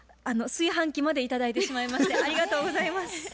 炊飯器まで頂いてしまいましてありがとうございます。